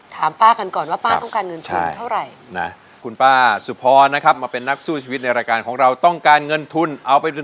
ถามป้ากันก่อนว่าป้าต้องการเงินทุนเท่าไหร่นะ